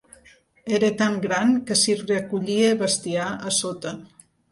Era tan gran que s'hi recollia bestiar a sota.